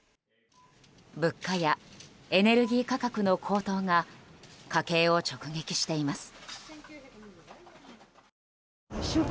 物価やエネルギー価格の高騰が家計を直撃しています。